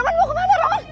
roman mau ke mana roman